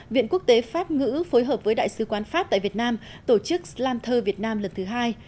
viện quốc tế pháp ngữ phối hợp với đại sứ quán pháp tại việt nam tổ chức slamtur việt nam lần thứ hai